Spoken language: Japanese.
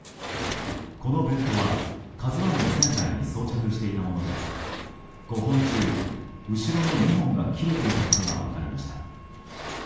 このベルトは「ＫＡＺＵ１」の船体に装着していたもので５本中後ろの２本が切れていたことが分かりました。